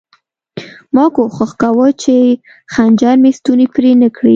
ما کوښښ کاوه چې خنجر مې ستونی پرې نه کړي